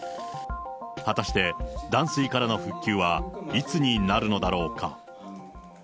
果たして、断水からの復旧はいつになるのだろうか。